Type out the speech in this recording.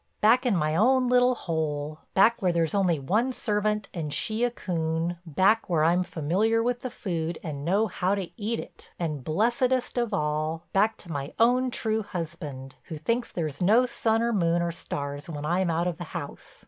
Back in my own little hole, back where there's only one servant and she a coon, back where I'm familiar with the food and know how to eat it, and blessedest of all, back to my own true husband, who thinks there's no sun or moon or stars when I'm out of the house.